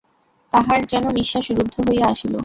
তাহার যেন নিশ্বাস রুদ্ধ হইয়া আসিল।